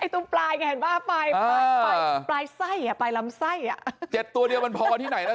ไอ้ตัวปลายไงมาปลายปลายปลายปลายไส้อ่ะปลายลำไส้อ่ะเจ็ดตัวเดียวมันพอที่ไหนแล้ว